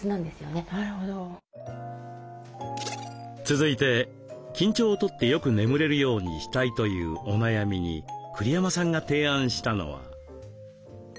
続いて緊張をとってよく眠れるようにしたいというお悩みに栗山さんが提案したのは。